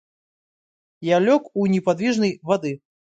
Я лег у неподвижной воды.